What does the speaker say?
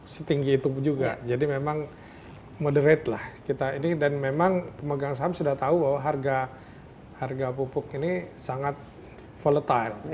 setinggi itu juga jadi memang moderate lah kita ini dan memang pemegang saham sudah tahu bahwa harga pupuk ini sangat volatile